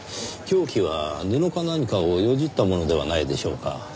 凶器は布か何かをよじったものではないでしょうか。